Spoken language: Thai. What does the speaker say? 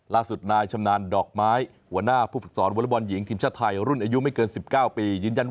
ล่าสุดนายชำนาญดอกไม้หัวหน้าผู้ฝึกสอนวอลเรย์บอลหญิงทีมชาติไทย